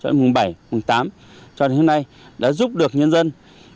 xong bố ra hiệu được hai lần